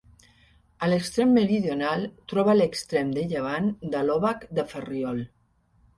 A l'extrem meridional troba l'extrem de llevant de l'Obac de Ferriol.